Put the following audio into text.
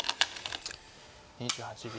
２８秒。